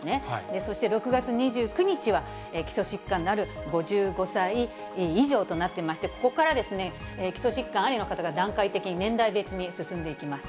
そして６月２９日は基礎疾患のある５５歳以上となっていまして、ここから、基礎疾患ありの方が段階的に年代別に進んでいきます。